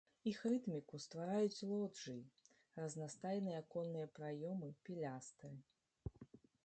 Іх рытміку ствараюць лоджыі, разнастайныя аконныя праёмы, пілястры.